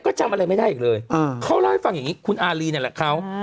ก็จำอะไรไม่ได้อีกเลยเขาเล่าให้ฟังอย่างนี้คุณอารีนี่แหละเขา